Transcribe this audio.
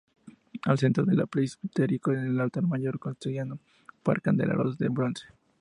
Al centro del presbiterio está el Altar Mayor, custodiado por candeleros de bronce.